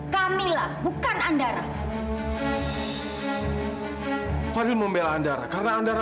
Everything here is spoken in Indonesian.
gak ada yang percaya